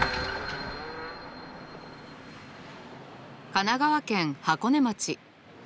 神奈川県箱根町。